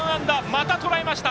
また、とらえました。